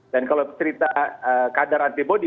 dan kalau cerita kadar antibody